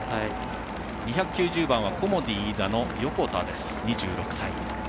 ２９０番はコモディイイダの横田、２６歳。